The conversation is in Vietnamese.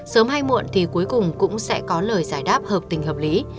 sớm hay muộn thì cuối cùng cũng sẽ có lời giải đáp hợp tình hợp lý